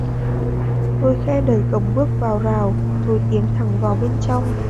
Tôi khẽ đẩy cổng bước vào rào, rồi tiếng thẳng vào bên trong